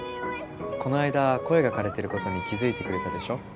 この間声がかれてることに気付いてくれたでしょ？